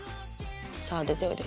さあ出ておいで。